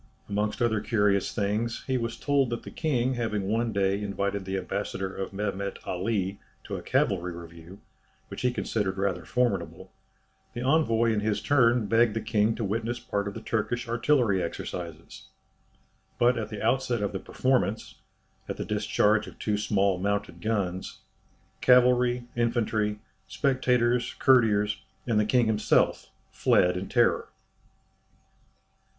Amongst other curious things, he was told that the king having one day invited the ambassador of Mehemet Ali to a cavalry review, which he considered rather formidable, the envoy in his turn begged the king to witness part of the Turkish artillery exercises. But at the outset of the performance at the discharge of two small mounted guns cavalry, infantry, spectators, courtiers, and the king himself, fled in terror.